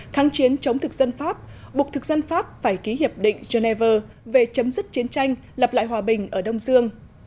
kháng chiến chống thực dân pháp buộc thực dân pháp phải ký hiệp định geneva về chấm dứt chiến tranh lập lại hòa bình ở đông dương